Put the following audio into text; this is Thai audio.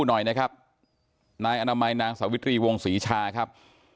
หน่อยนะครับนายอนามัยนางสาวิตรีวงศรีชาครับ